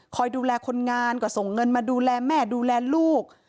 ดูแลคนงานก็ส่งเงินมาดูแลแม่ดูแลลูก